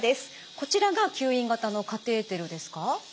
こちらが吸引型のカテーテルですか？